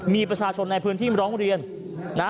มีประชาชนในพื้นที่ร้องเรียนนะ